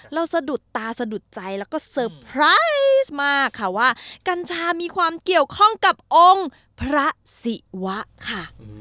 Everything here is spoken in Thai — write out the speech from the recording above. สะดุดตาสะดุดใจแล้วก็เซอร์ไพรส์มากค่ะว่ากัญชามีความเกี่ยวข้องกับองค์พระศิวะค่ะ